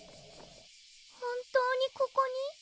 本当にここに？